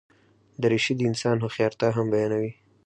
دریشي د انسان هوښیارتیا هم بیانوي.